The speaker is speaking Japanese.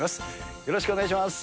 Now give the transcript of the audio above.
よろしくお願いします。